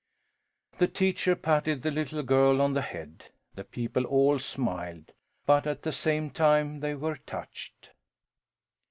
The teacher patted the little girl on the head. The people all smiled, but at the same time they were touched.